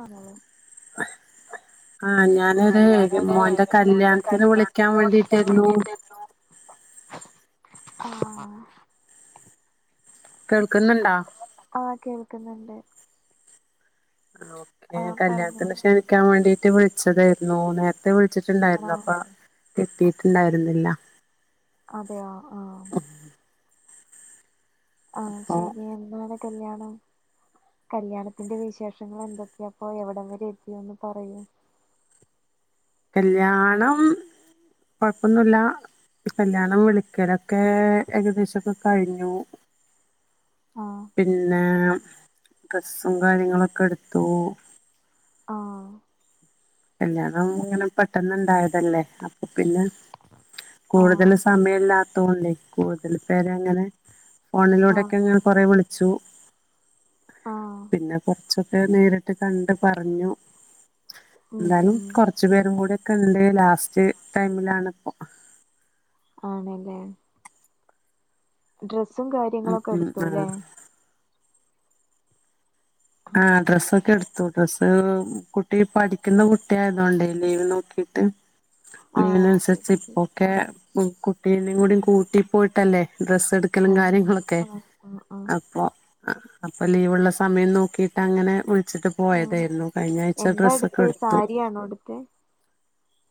ആണല്ലേ? ആ ആഹ് ഞാനത് ഞാനൊരു മോന്റെ മോന്റെ കല്ല്യാണത്തിന് വിളിക്കാൻ കല്യാണത്തിന് വിളിക്കാൻ വേണ്ടീട്ടേര്ന്നു. വേണ്ടിട്ടായിരുന്നു ആഹ് കേൾക്ക്ന്ന്ണ്ടാ? ആഹ് കേൾക്ക്ന്ന്ണ്ട്. ആഹ് ഓക്കെ. ആഹ് കല്ല്യാണത്തിന് പറഞ്ഞോളൂ ക്ഷണിക്കാൻ വേണ്ടീട്ട് വിളിച്ചതായിരുന്നു നേരത് ത്തെ ആണോ വിളിച്ചിട്ടുണ്ടായിരുന്നു അപ്പ, കിട്ടീട്ടുണ്ടായിരുന്നില്ല. അതെ ആഹ് ആഹ് അപ്പൊ ശരി. എന്നാണ് കല്ല്യാണം? കല്ല്യാണത്തിന്റെ വിശേഷങ്ങളെന്തൊക്കെയാപ്പൊ? എവിടം വരെ എത്തിയൊന്ന് പറയ്യൊ. കല്ല്യാണം കൊഴപ്പൊന്നുല്ല. കല്ല്യാണം വിളിക്കലൊക്കെ ഏകദേശൊക്കെ കഴിഞ്ഞു. ആഹ് പിന്നേ ഡ്രസ്സും കാര്യങ്ങളൊക്കെ എട്ത്തു. ആഹ് കല്ല്യാണം ഇങ്ങനെ പെട്ടെന്ന്ണ്ടായതല്ലേ? അപ്പൊ പിന്നെ ആഹ് കൂട്തല് സമയല്ലാത്തോണ്ടേ, കൂടുതൽ പേരെ അങ്ങനെ ആഹ് ഫോണിലൂടെയെക്കെ ഇങ്ങനെ ആഹ് കൊറെ വിളിച്ചു. ആഹ് പിന്നെ കൊറച്ചൊക്കെ നേരിട്ട് കണ്ട് പറഞ്ഞു. ഉം ഇന്നാലും ഉം കൊറച്ച് പേരും കൂടിയൊക്കെ ഇണ്ട്, ലാസ്റ്റ് ടൈമിലാണിപ്പൊ. ആണല്ലേ? ഡ്രസ്സും ഉം കാര്യങ്ങളു ഒക്കെ ഉം ആഹ് എടുത്തൂല്ലേ? ആഹ് ഡ്രസ്സൊക്കെ എടുത്തു. ഡ്രസ്സ്, കുട്ടി പഠിക്കുന്ന കുട്ടിയായതോണ്ടേ ലീവ് നോക്കീട്ട്. ആഹ് ലീവിനനുസരിച്ച് ശരി ശരി ഇപ്പൊക്കെ ഉം കുട്ടീനേം കൂടി കൂട്ടി പോയിട്ടല്ലേ ഡ്രസ്സ് എടു ക്കലും ആഹ് കാര്യങ്ങളൊക്കെ ആഹ് ആഹ് ആഹ് അപ്പൊ ആഹ് അപ്പ ലീവള്ള സമയം നോക്കിട്ട് അങ്ങനെ വിളിച്ചിട്ട് പോയതായിരുന്നു കഴിഞ്ഞ ആഴ്ച ഡ്രസ്സൊക്കെ എടുത്തു ആണോ എടുത്തെ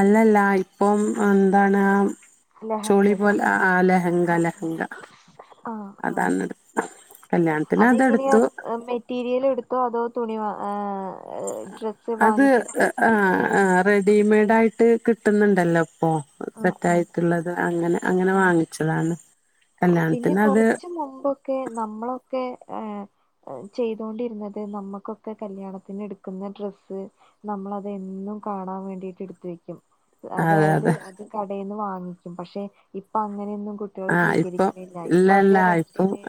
അല്ലല്ല ഇപ്പം എന്താണ് ലഹങ്ക ചോളി പോലെ ലഹങ്ക ലഹങ്ക ആഹ് ആഹ് അതാണ് എടുത്ത കല്യാണത്തിന് അതെങ്ങനെയാ അതെടുത്തു മെ മെറ്റീരിയൽ എടുത്തോ അതോ തുണി ആഹ് ഡ്രസ് അത് ആഹ് ആഹ് റെഡിമെയ്ഡ് ആയിട്ട് കിട്ടു ന്നു ണ്ടല്ലോ ഇപ്പോ ആഹ് ആഹ് സെറ്റായിട്ടുള്ളത് അങ്ങന അങ്ങന ആഹ് വാങ്ങി ക്ഷതാണ് പിന്നെ കൊറച്ച് മുമ്പൊക്കെ നമ്മളൊക്കെ ഏഹ് ചെയ്തൊണ്ടിരുന്നത് നമ്മക്കൊക്കെ കല്യാണത്തിന് എടുക്കുന്ന ഡ്രസ്സ് നമ്മളത് എന്നും കാണാൻ വേണ്ടിട്ട് എടുത്ത് വെക്കും അതെ അതായത് അതെ അത് കടേന്ന് വാങ്ങിക്കും പക്ഷെ ഇപ്പ അങ്ങനൊന്നും കു ആഹ് ഇപ്പ ഇല്ലല്ലാ ഇപ്പ റെന്റിന്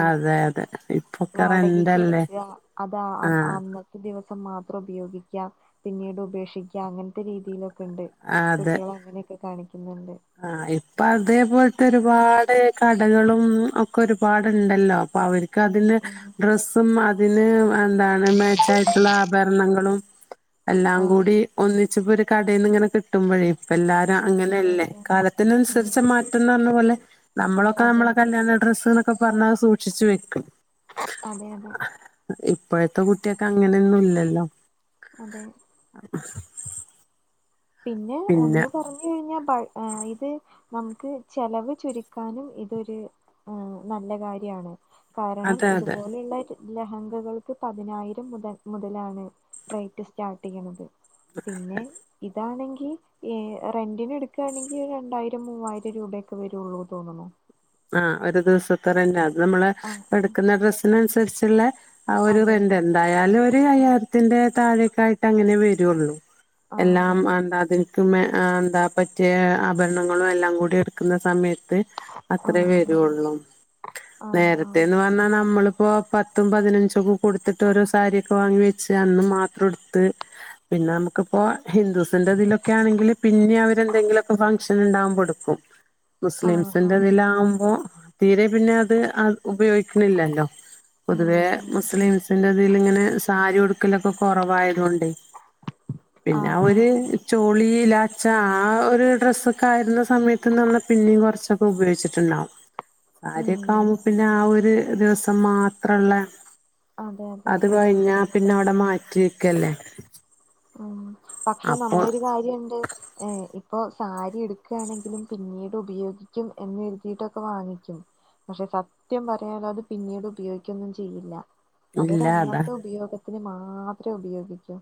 ആഹ് അതെ അതെ ഇപ്പൊക്കെ വാടകക്ക് റെന്റല്ലേ എടുക്കുക അത് ആഹ് അന്നത്തെ ദിവസം മാത്രം ഉപയോഗിക്കാം പിന്നീട് ഉപേക്ഷിക്കാം അങ്ങനത്തെ രീതിലൊക്കെ ഒണ്ട് കുട്ടികൾ അങ്ങനെക്കെ കാണിക്കുന്നുണ്ട് ആഹ് ഇപ്പ അതേപോലത്തെ ഒരുപാട് കടകളും ഒക്കെ ഒരുപാടുണ്ടല്ലോ അപ്പൊ അവർക്ക് ക്ക്‌ ഉം അതിന്റെ ഉം ഡ്രസ്സ് അതിന് എന്താണ് മേച്ചായിട്ടുള്ള ആഭരണങ്ങളും എല്ലാം ആഹ് കൂടി ഒന്നിച്ചപ്പോ ഒരു കടേന്നിങ്ങനെ കിട്ടുമ്പഴേ ഇപ്പ എല്ലാരും അതെ അങ്ങനെയല്ലേ അതെ അതെ കാലത്തിനനുസരിച്ച ഉം മാറ്റ ന്ന് പറഞ്ഞ പോലെ നമ്മളൊക്കെ അതെ നമ്മള അതെ കല്യാണ അതെ ഡ്രസ്സുകളൊക്കെ പറഞ്ഞാൽ സൂക്ഷിച്ച് വെക്കും അതെ അതെ ഇപ്പോഴത്തെ കുട്ടികക്ക് അങ്ങനൊന്നും ഇല്ലല്ലോ അതെ [inaudible] പിന്നെ ഒന്ന് പറഞ്ഞ കഴിഞ്ഞാൽ ഇത് നമുക്ക് ചെലവ് ചുരുക്കാനും ഇതൊരു ആഹ് നല്ല കാര്യാണ് കാരണം അതെ അതെ ഇതുപോലെയുള്ള ലഹങ്കകൾക്ക് പതിനായിരം മുതൽ മുതലാണ് റേറ്റ് സ്റ്റാർട്ട് ചെയ്യണത് പിന്നെ ഇതാണെങ്കി ഏ ഹ് റെന്റിന് എടുക്കുകാണെങ്കിൽ രണ്ടായിരം മൂവായിരം രൂപയൊക്കെ വരുള്ളൂ തോന്നണു ആഹ് ഒരു ദിവസത്തെ റെന്റ് അത് നമ്മള് ആഹ് ആഹ് എടുക്കുന്ന ഡ്രസ്സിന് അനുസരിച്ചള്ള ആ ഒരു അതെ റെന്റ് അതെ എന്തായാലും ഒരു ആഹ് അയ്യായിരത്തിന്റെ താഴേക്കായിട്ട് അങ്ങനെ വരുള്ളൂ ആഹ് അതെ എല്ലാം അതെ എന്താ അതിന് മ്മെ എന്താ പറ്റിയ ആഭരണങ്ങളും എല്ലാം കൂടി എടുക്കുന്ന സമയത്ത് അത്രേ ആഹ് വരുള്ളൂ ആഹ് ആഹ് നേരത്തേന്ന് പറഞ്ഞാ എന്നാ നമ്മളിപ്പോ പത്തും പതിനഞ്ചൊക്കെ കൊടുത്തിട്ട് ഒരു സാരിയൊക്കെ വാങ്ങി വെച്ച് അന്ന് മാത്രം ഉടുത്ത് പിന്നെ നമുക്കിപ്പോ ഹിന്ദുസിന്റെ ഇതിലൊക്കെ ആണെങ്കില് പിന്നെ അവരെന്തെങ്കിലുക്കെ ഫംഗ്ഷൻ ഉണ്ടാവുമ്പോ ഉടുക്കും [inaudible] ആഹ് ആഹ് മുസ്ലിംസിന്റെ ആഹ് അതിലാകുമ്പോ തീരെ പിന്നെ അത് ഉപയോഗിക്കണില്ലല്ലോ ഉം പൊതുവെ ഉം മുസ്ലിംസ് ന്റതിൽ ഇങ്ങനെ സാരി ഉടുക്കലൊക്കെ കൊറവായത് കൊണ്ട് പിന്നെ ആഹ് ഒര് ആഹ് ചോളി ലാച്ച ആ ഒരു ഡ്രസ്സൊക്കെ ആയിരുന്ന സമയത്ത്ന്ന് പറഞ്ഞാൽ പിന്നേം കുറച്ചൊ ഉപയോഗിച്ചിട്ടുണ്ടാവും ആരെ ഉം [unintelligible] പിന്ന ആ ഒരു ദിവസം മാത്രള്ള അതെ അതെ അത് അതെ കഴിഞ്ഞ പിന്നെ അവടെ മാറ്റി വെക്കല്ലേ ഉം പക്ഷെ അപ്പൊ നമ്മളൊരു കാര്യണ്ട് ഏഹ് ഇപ്പൊ സാരി എടുക്കുകയാണെങ്കിലും പിന്നീട് ഉപയോഗിക്കും എന്ന് കരുതിയിട്ടൊക്കെ വാങ്ങിക്കും. പക്ഷെ സത്യം പറയാലോ അത് പിന്നീട് ഉപയോഗിക്കൊന്നും ചെയ്യില്ല. ഇല്ല അതാ അതൊരന്നത്തെ ഉപയോഗത്തിന് മാത്രേ ഉപയോഗിക്കൂ.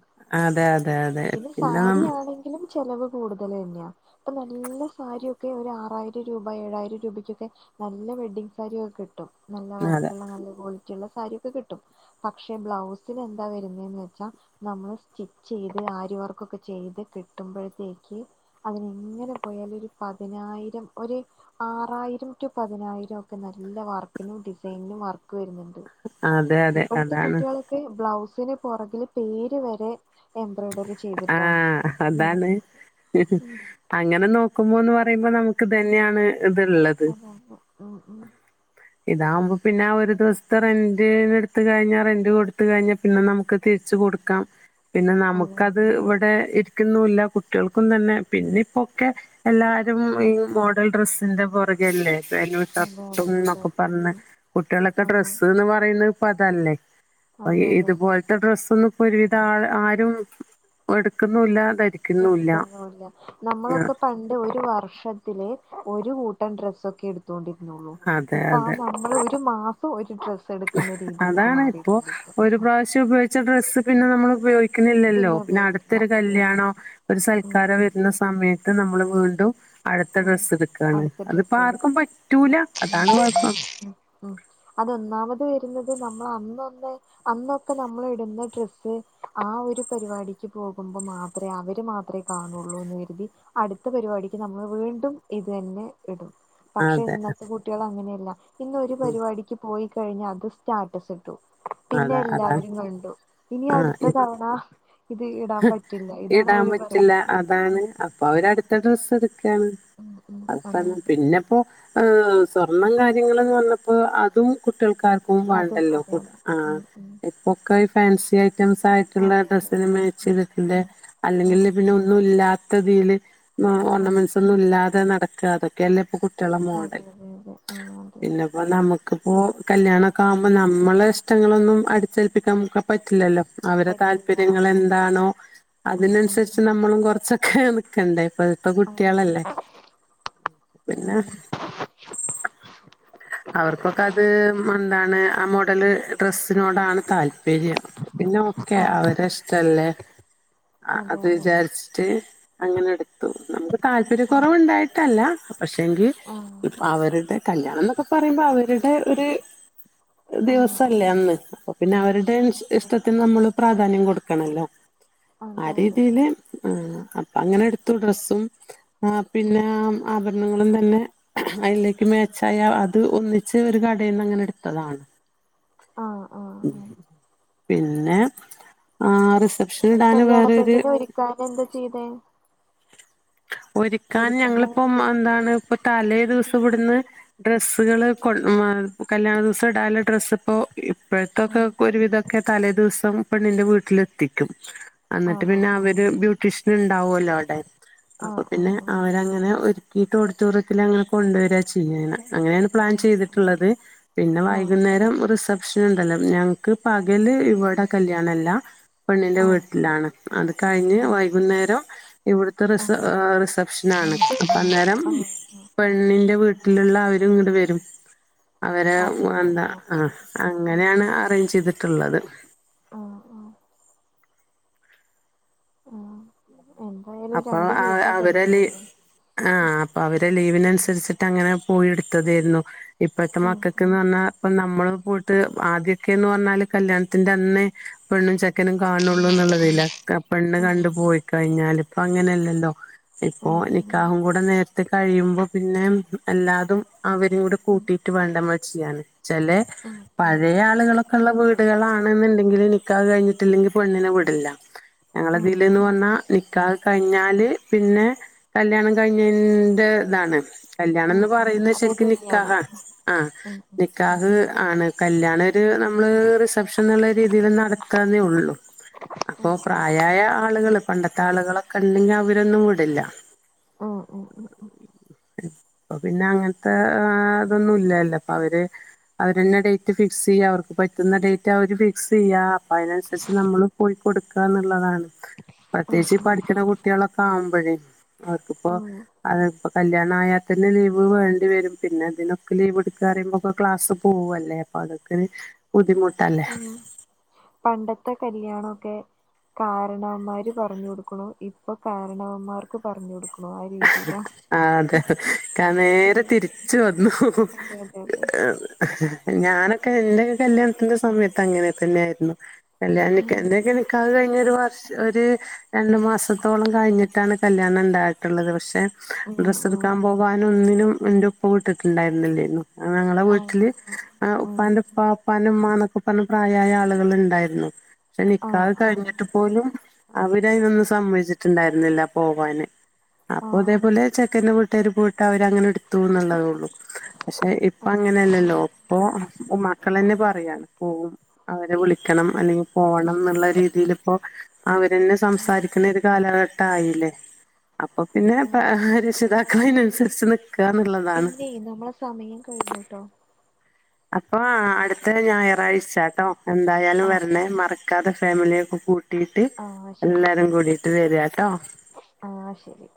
അതെ അതെ അതെ പിന്നെ നം തിനും ചെലവ് കൂടുതല് തന്നെയാ ഇപ്പ നല്ല സാരിയൊക്കെ ഒരു ആറായിരം രൂപ ഏഴായിരം രൂപക്കൊക്കെ നല്ല വെഡ്ഡിംഗ്‌ സാരി ഒക്കെ കിട്ടും നല്ല അതെ വർക്കുള്ള നല്ല ക്വാളിറ്റി ചില സാരിക്കെ കിട്ടും പക്ഷെ ബ്ലൗസില് എന്താ വരുന്നെന്ന് വെച്ചാ നമ്മള് സ്റ്റി ചെയ്ത് ആര്യവർക്കൊക്കെ ചെയ്ത് കിട്ടുമ്പഴത്തേക്ക് അതിനിങ്ങനെ പോയാലും ഒരു പതിനായിരം ഒര് ആറായിരം റ്റു പതിനായിരം ഒക്കെ നല്ല വർക്കിനും ഡിസൈൻനും വർക്ക് വരുന്നുണ്ട് അതെ അതെ ഇപ്പഴത്തെ അതാണ് കുട്ടികൾക്ക് ബ്ലൗസിന് പുറകില് പേര് വരെ എംബ്രോയ്ഡറി ചെയ്തിട്ടാ ആഹ് അതാണ് നടക്കും ഉം അങ്ങനെ നോക്കുമ്പോന്ന് പറയുമ്പോ നമുക്ക് ഇതുതന്നെയാണ് ഇത്ള്ളത് ഹോ ഹോ [unintelligible] ഇതാവുമ്പപിന്നെ ആ ഒരു ദിവസത്തെ റെന്റിന് എടുത്ത് കഴിഞ്ഞ റെന്റ് കൊടുത്ത് കഴിഞ്ഞ പി ന്നെ നമുക്ക് തിരിച്ച് കൊടുക്കാം. പിന്നെ നമുക്ക് അതെ അതെ അതെ ന്നെ ഇരിക്കുന്നൂല്ല കുട്ടികൾക്കും തന്നെ പിന്നിപ്പൊക്കെ എല്ലാ മ് ഈ ഉം മോഡൽ ഡ്രസ്സിന്റെ പൊറകെല്ലേ അതെ അതെ അതെ ന്നൊക്കെ പറഞ്ഞ് ഉം കുട്ടികളൊക്കെ ആഹ് ഡ്രസ്സ്ന്ന് പറയുന്നത് ഇപ്പൊ അതല്ലേ അ അതെ അതെ ഇതുപോലത്തെ ഡ്രസ്സൊന്നും ഇപ്പ ഒരുവിധം ആള് ആരും എടുക്കുന്നുല്ല ധരിക്കുന്നുല്ല എടുക്കൊന്നൂല്ല നമ്മളൊക്കെ പണ്ട് ഒരു വർഷത്തി ലെ ഒരു കൂട്ടം ഡ്രസ് ഒക്കെ എടുത്തൊണ്ടിരുന്നുള്ളൂ അതെ ഇപ്പൊ അതെ ആ നമ്മൾ ഒരു മാസ സൊ ഒരു ഡ്രസ്സ് എടുക്കുന്ന രീതിയിലേക്ക് മാറിയിട്ടുണ്ട് ഇപ്പോ പയോഗിച്ച ഡ്രസ്സ് പിന്നെ നമ്മള് ഉപയോഗിക്കുന്നില്ലല്ലോ. പിന്നെ ഉപയോഗിക്കില്ല അടുത്തൊരു അതെ അതെ കല്യാണോ ഒരു ഉം സൽക്കാരോ ഉം വരുന്ന സ സമയത്ത് നമ്മള് വീണ്ടും അടുത്ത ഉം ഡ്രസ്സ് എടുക്കാണ്. അടുത്ത അതിപ്പോ ഡ്രസ്സ് ഇടും ആർക്കും പറ്റൂല. അതാണ് കുഴപ്പം. അതൊന്നാമത് വരുന്നത് നമ്മള് അന്നൊന്ന് അന്നൊക്കെ നമ്മള് ഇടുന്ന ഡ്രസ്സ് ആ ഒരു പരിപാടിക്ക് പോകുമ്പ മാത്രം തെ അവര് മാത്രേ കാണോള്ളൂന്ന് കരുതി അടുത്ത പരിപാടിക്ക് നമ്മള് വീണ്ടും ഇതു തന്നെ ഇടും. പക്ഷെ അതെ ഇന്നത്തെ കുട്ടികള് അങ്ങനെയല്ല. ഇന്ന് ഒരു ഉം പരിപാടി ക്ക് പോയി കഴിഞ്ഞ അത് സ്റ്റാറ്റസ് ഇട്ടു. പിന്നെ അതാ അതാ എല്ലാവരും കണ്ടു. ഇനി ആഹ് അടുത്ത തവണ ഇത് ഇടാൻ പറ്റില്ല. ഇതാണ് ഇടാൻ അവര് പറ്റില്ല പറയുന്നത്. അതാണ് ഉം അപ്പൊ അവര് അടുത്ത ഡ്രസ് എടുക്കയാണ്. ഉം ഉം അതെ അത് പിന്നെ പ്പോ ആ സ്വർണം കാര്യങ്ങളൊക്കെ വന്നപ്പോ അതും കുട്ടികൾക്കാർ ക്കും അതെ അതും വാണ്ടല്ലോ. അതെ അതെ ആഹ് ഉം ഉം ഇപ്പൊക്കെ ഈ ഫാൻസി ഐറ്റംസ് ആയിട്ടുള്ള അതെ അതെ ഡ്രസിന് അതെ മാച്ച് [unintelligible] ഉം ഉം അല്ലെങ്കില് ഉം പിന്നെ ഒന്നും ഇല്ലാത്തതില് ആ ഉം ഓർണമെന്റ്സ് ഒന്നും ഇല്ലാതെ നടക്ക അതൊക്കെയല്ലേ ഇപ്പൊ കുട്ടികൾടെ അതെ മോഡൽ. അതെ അതെ ആ അതെ പിന്നെ അപ്പൊ നമുക്കിപ്പോ കല്യാണൊക്കെ ആകുമ്പ നമ്മളെ ഇഷ്ടങ്ങളൊന്നും അടിച്ചേൽപ്പിക്കാൻക്കെ പറ്റില്ലല്ലോ അവരെ പറ്റില്ല താല്പര്യങ്ങള് അതെ അതെ എന്താണോ ഉം ഉം അതിനനുസരിച്ച് ഉം നമ്മളും കൊറച്ചൊക്കെ നിക്കണ്ടേ. ഇപ്പ ഇപ്പ അതെ കുട്ടികളല്ലേ. ഉം പിന്നെ അവർക്കൊക്കെ അത് എന്താണ് ആ മോഡല് ഡ്രെസ്സിനോടാണ് താല്പര്യം. [unintelligible] പിന്നെ ഒക്കെ ആ ആ അവര്ടെ ഇഷ്ടല്ലേ അതെ അത് വിചാരി ച്ചിട്ട് അങ്ങനെ എടുത്തു. നമുക്ക് താല്പര്യ കുറവുണ്ടായിട്ടല്ല. പക്ഷെങ്കി ആഹ് ഇപ്പ അവരുടെ കല്യാണം എന്നൊക്കെ പറയുമ്പോ അവരുടെ ഒരു ആ ആ ദിവസല്ലേ അന്ന് അപ്പ പിന്നെ അവരുടെ അതെ അതെ ഇഷ്ടത്തിന് നമ്മൾ പ്രാധാന്യം കൊടു കണല്ലോ ആ അതെ അതെ രീതിയില് ഏഹ് അപ്പോ അങ്ങനെ എടുത്തു ഡ്രസും ആഹ് ഉം പിന്നെ ആഹ് ആഭരണങ്ങളും തന്നെ അതിലേക്ക് മേച്ചായ അത് ഒന്നിച്ച് ഒരു കടയിൽന്ന് അങ്ങനെ എടുത്തതാണ് ആ ആ ആ പിന്നെ ആ റിസപ്ഷൻ ഇടാന് കല്യാണ വേറൊരു പെണ്ണ്നെ ഒരുക്കാൻ എന്താ ചെയ്തെ ഒര്ക്കാൻ ഞങ്ങളിപ്പോം എന്താണ് ഇപ്പ തലേ ദിവസം ഇവിട്ന്ന് ഡ്രസ്സ്കള് കൊ കല്യാണ ദിവസം ഇടാൻല്ല ഡ്രസ്സ് ഇപ്പോ ആ ഇപ്പഴത്തൊക്കെ ഒരുവിധൊക്കെ തലേ ദിവസം പെണ്ണിന്റെ വീട്ടിലെത്തിക്കും അന്നട്ട് ആണോ പിന്നെ ആ അവര് ബ്യൂട്ടീഷ്യൻ ഉണ്ടാവുല്ലോ അവ്ടെ ആ ആ പിന്നെ ആ അവരങ്ങനെ ഒരുക്കിയിട്ട് ഓഡിറ്റോറിയത്തിൽ അങ്ങനെ കൊണ്ടുവരാ ചെയ്യ അങ്ങനെയാണ് പ്ലാൻ ആ ചെയ്തിട്ടുള്ളത് പിന്നെ ആ ആ വൈകുന്നേരം റിസ ഷൻണ്ടല്ലോ ഞങ്ങക്ക് പകല് ഇവടെ കല്യണം ഇല്ല പെണ്ണിന്റെ വീട്ടിലാണ് അത് കഴിഞ്ഞ് ആ വൈകുന്നേരം ഇവിട്ത്തെ ആ റിസ ആഹ് റിസപ്ഷനാണ് അപ്പം അന്നേരം ആ ആ പെണ്ണിൻ്റെ വീ ട്ടിലുള്ള അവരും ഇങ്ങട്ട് വരും അവരെ അതെല്ലേ എന്താ ആ ശരി ശരി ആ അങ്ങനെയാണ് അറേഞ്ച് ചെയ്തിട്ടുള്ളത് ആഹ് ആഹ് ആഹ് എന്തായാലും അപ്പൊ രണ്ടു ആ ദിവസം അവരല് കല്യാണംല്ലേ ആഹ് അപ്പൊ അവരെ ലീവിനനുസരിച്ചിട്ട് അങ്ങനെ പോയി എടുത്തതെയിരുന്നു ഇപ്പത്തെ ഉം ഉം മക്കൾക്ക്ന്ന് പർഞ്ഞാ ഇപ്പ നമ്മള് പോയിട്ട് ആദ്യൊക്കെന്ന് പറഞ്ഞാല് കല്യാണത്തിന്റെ അന്നേ പെണ്ണും ചെ ക്കനും കാണുള്ളൂ എന്നുള്ളതല്ല പെണ്ണ് ഉം കണ്ടു ഉം പോയി കഴിഞ്ഞാല് ഇപ്പ അങ്ങനെയല്ലല്ലോ ഇപ്പൊ ഉം ഉം നിക്കാഹും കൂടെ നേരത്തെ കഴിയുമ്പോ പിന്നെ എല്ലാതും അവരും കൂടെ ഉം കൂട്ടി റ്റ് വേണ്ടെമ്മള് ചെയ്യാൻ ചെലെ ഉം ഉം പഴയ ആളുകളൊ ള്ള വീടുകളാണെന്ന്ണ്ടെങ്കിൽ നിക്കാഹ് കഴിഞ്ഞിട്ടില്ലെങ്കിൽ പെണ്ണിനെ വിടില്ല ഞങ്ങളെ ഉം ഇതില് ഉം ന്ന് പർഞ്ഞാ നിക്കാഹ് കഴിഞ്ഞാല് പിന്നെ കല്യാണം കഴിഞ്ഞതിന്റെ ഇതാണ് കല്യാണം ഉം ന്ന് ഉം പറയുന്നത് അതേ ശെരിക്കും തുല്യാണ് നിക്കാഹാണ് ആഹ് ഉം ഉം ഉം നിക്കാഹ് ആണ് കല്യണം ഒരു നമ്മള് റിസപ്ഷൻ എന്നുള്ള രീതിയിൽ നടത്തെന്നേ ഉള്ളു അപ്പൊ ഉം ഉം പ്രായായ ആളുകള് പണ്ടത്തെ ആളുകളൊക്കെണ്ടെങ്കിൽ അവരൊന്നും വിടില്ല ഉം ഉം ഉം പ്പൊ പിന്നെ അങ്ങൻത്തെ അതൊന്നും ഇല്ലല്ലോ അപ്പൊ അവര് അവരന്നെ ഡേറ്റ് ഫിക്സെയ്യ അവർക്ക് പറ്റുന്ന ഡേറ്റ് അവര് ഫി ക്സ് ചെയ്യാ അപ്പൊ അതിനനുസരിച്ച് നമ്മള് പോയി കൊടുക്കാന്ന്ള്ളതാണ് ഉം പ്രത്യേകിച്ച് ഈ ഉം പഠിക്ക്ണ കുട്ടിയാളൊക്കെ ആകുമ്പഴേ അവർക്ക്പ്പോ ഉം അത്പ്പോ കല്യാണ ആയാൽ തന്നെ ലീവ് വേണ്ടി വരും പിന്നെ അതിനൊക്കെ ലീവ് എടുക്കാറയുമ്പൊക്കെ ക്ലാസ്സ് പോവല്ലേ അതൊക്കെരു ബുദ്ധിമു ഉം പണ്ടത്തെ കല്യാണൊക്കെ കാരണവന്മാര് പറഞ്ഞു കൊടുക്ക്ണു ഇപ്പൊ കാരണവന്മാർക്ക് പറഞ്ഞു കൊടു ആഹ് അതെ കാ നേരെ അതെ തിരിച്ച് വന്നു അതെ അതെ അതെ ഞാനൊക്കെ എന്റെയൊക്കെ കല്യാണത്തിന്റെ സമയത്ത് അങ്ങനെ തന്നെയായിയിരുന്നു കല്യാണ ഉം എന്തൊക്കെ ക്കാഹ് കഴിഞ്ഞൊരു വർഷം ഒരു രണ്ടു മാസത്തോളം കഴിഞ്ഞിട്ടാണ് കല്യാണം ഇണ്ടായ ത് പക്ഷെ ഉം ഡ്രസ്സ് ഉം എടുക്കാൻ പോവാനും ഒന്നിനും എന്റെ ഉപ്പ വിട്ടിട്ടുണ്ടായിരുന്നില്ലേരുന്നു ഞങ്ങളെ ആഹ് വീട്ടില് ആഹ് ഉം ഉപ്പാന്റെപ്പ ഉപ്പാന്റെ ഉമ്മാന്നൊക്കെ പ്പ പ്രായായ ആളുകൾ ഉണ്ടായിരുന്നു പക്ഷെ ആഹ് നികാഹ് ആഹ് കഴിഞ്ഞിട്ട് പോലും അവര് അയ്നൊന്നും സമ്മതി ച്ചിട്ടുണ്ടായിരുന്നില്ല പോവാന് അപ്പൊ ആഹ് ഇതേപോലെ ചെക്കന്റെ വീട്ടുകാര് പോയിട്ട് അവര് അങ്ങനെ ഇടുത്തുന്നുള്ളതേള്ളൂ പക്ഷെ ഇപ്പ ആഹ് അങ്ങനല്ലല്ലോ ഇപ്പോ ഉ മക്കളെന്നെ പറയാ പോവും അവരെ വിളിക്കണം അല്ലെങ്കിൽ പോണം എന്നുള്ള രീതിയിൽ ഇപ്പോ അവരന്നെ ആഹ് സംസാരിക്കുന്ന ഒരു കാലഘട്ടായില്ലേ അപ്പൊ പിന്നെ ഉം രക്ഷിതാക്കൾ അതിനനുസരിച്ച് നിൽക്കുകാന്നുള്ളതാണ്. പിന്നെ നമ്മളെ സമയം കഴിഞ്ഞുട്ടോ അപ്പൊ അടുത്ത ഞായറാഴ്ചട്ടോ എന്തായാലും ആഹ് വരണേ മറ ക്കാതെ ഫാമിലിയെ ഒക്കെ കൂട്ടി യിട്ട് ആഹ് ശരി എല്ലാരും ഉം കൂടീട്ട് വരിട്ടോ ആഹ് ശരി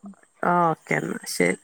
ആ ഓക്കേ എന്നാ ശരി